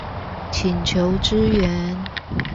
請求支援